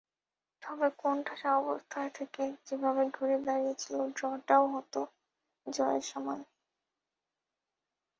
তবে কোণঠাসা অবস্থা থেকে যেভাবে ঘুরে দাঁড়িয়েছিল, ড্র-টাও হতো জয়ের সমান।